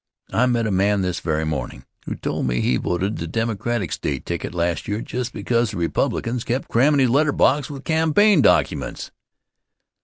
I met a man this very mornin' who told me he voted the Democratic State ticket last year just because the Republicans kept crammin' his letter box with campaign documents.